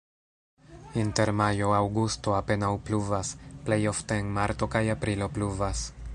Inter majo-aŭgusto apenaŭ pluvas, plej ofte en marto kaj aprilo pluvas.